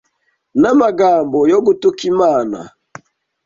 n’ amagambo yo gutuka Imana